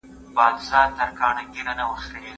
که زده کوونکی مجازي ګډون وکړي، فرصت نه ضایع کېږي.